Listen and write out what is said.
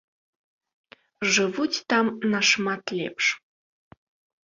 Жывуць там нашмат лепш.